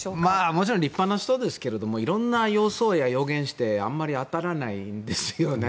もちろん立派な人ですけども色んな予想や予言をしてあんまり当たらないんですよね。